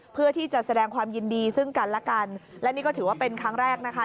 เพื่อที่จะแสดงความยินดีซึ่งกันและกันและนี่ก็ถือว่าเป็นครั้งแรกนะคะ